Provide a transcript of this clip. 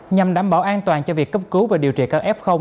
nhằm đảm bảo an toàn cho việc cấp cứu và điều trị cao f